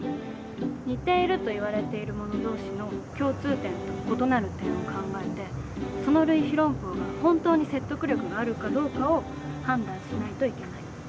似ているといわれているもの同士の共通点と異なる点を考えてその類比論法が本当に説得力があるかどうかを判断しないといけないんだ。